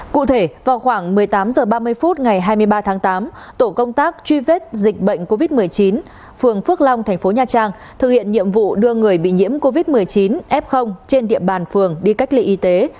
cụ thể vào khoảng một mươi tám h ba mươi phút ngày hai mươi ba tháng tám tổ công tác truy vết dịch bệnh covid một mươi chín phường phước long thành phố nha trang thực hiện nhiệm vụ đưa người bị nhiễm covid một mươi chín f trên địa bàn phường đi cách ly y tế